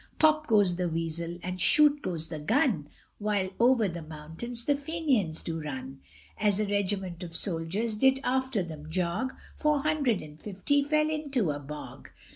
Pop goes the weazel, and shoot goes the gun, While over the mountains the Fenians do run; As a regiment of soldiers did after them jog, Four hundred and fifty fell into a bog!